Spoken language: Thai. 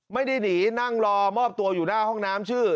ไม่ได้หนีนั่งรอมอบตัวอยู่หน้าห้องน้ำชื่อ